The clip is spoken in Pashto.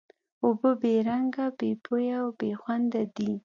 اوبه بې رنګ، بې بوی او بې خوند دي.